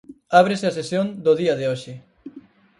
Ábrese a sesión do día de hoxe.